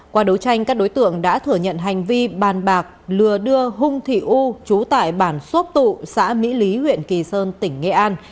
qua đấu tranh các đối tượng đã thừa nhận hành vi bàn bạc lừa đưa hung thị u chú tại bản xốp tụ xã mỹ lý huyện kỳ sơn tỉnh nghệ an